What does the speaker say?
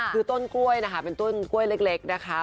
คือต้นกล้วยนะคะเป็นต้นกล้วยเล็กนะคะ